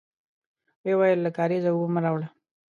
ويې ويل: له کارېزه اوبه مه راوړی!